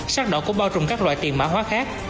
sát đoạn cũng bao trùm các loại tiền mã hóa khác